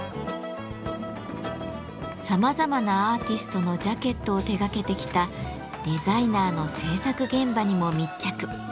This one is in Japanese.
さまざまなアーティストのジャケットを手がけてきたデザイナーの制作現場にも密着。